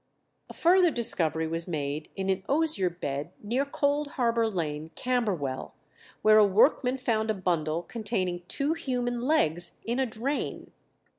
A further discovery was made in an osier bed near Cold Harbour Lane, Camberwell, where a workman found a bundle containing two human legs, in a drain.